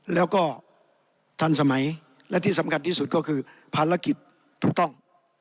แล้วก็ทันสมัยและที่สำคัญที่สุดก็คือภารกิจถูกต้อง